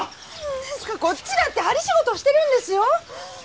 何ですかこっちだって針仕事してるんですよ！？